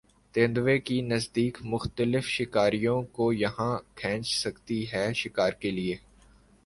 تیندوے کی تصدیق مختلف شکاریوں کو یہاں کھینچ سکتی ہے شکار کے لیے